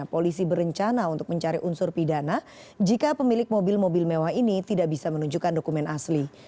polisi berencana untuk mencari unsur pidana jika pemilik mobil mobil mewah ini tidak bisa menunjukkan dokumen asli